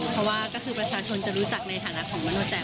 เพราะว่าก็คือประชาชนจะรู้จักในฐานะของมโนแจ